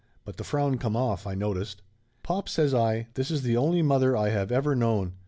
But the frown come off, I noticed. "Pop," says I, "this is the only mother I have ever known.